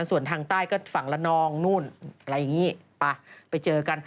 ส่วนทางใต้ก็ฝั่งละนองนู่นอะไรอย่างนี้ไปไปเจอกัน